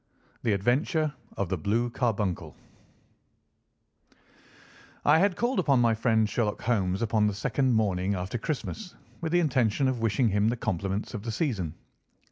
THE ADVENTURE OF THE BLUE CARBUNCLE I had called upon my friend Sherlock Holmes upon the second morning after Christmas, with the intention of wishing him the compliments of the season.